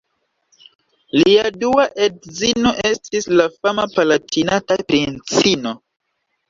Lia dua edzino estis la fama Palatinata princino.